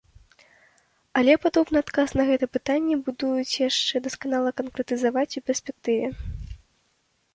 Але, падобна, адказ на гэта пытанне будуюць яшчэ дасканала канкрэтызаваць ў перспектыве.